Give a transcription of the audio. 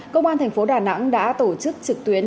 công an tp đà nẵng đã tổ chức trực tuyến